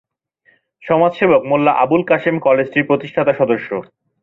সমাজসেবক মোল্লা আবুল কাশেম কলেজটির প্রতিষ্ঠাতা সদস্য।